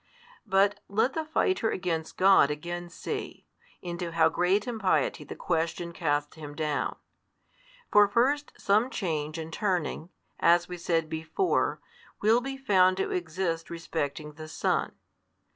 But let the fighter against God again see, into how great impiety the question casts him down. For first some change and turning, as we said before, will be found to exist respecting the Son.